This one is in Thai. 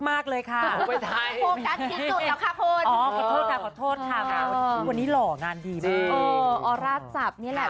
ไม่วันนี้หน้าเศร้า